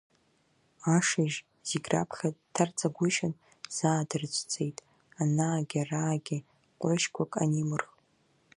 Ашыжь зегь раԥхьа дҭарҵагәышьан, заа дрыцәцеит, анаагьыараагьы ҟәрышьқәак анимырх.